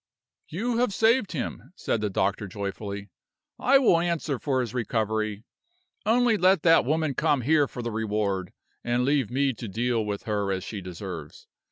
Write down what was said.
"You have saved him," said the doctor, joyfully. "I will answer for his recovery. Only let that woman come here for the reward; and leave me to deal with her as she deserves.